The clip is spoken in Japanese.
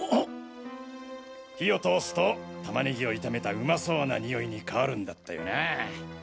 火を通すと玉ねぎを炒めた旨そうな匂いに変わるんだったよなぁ。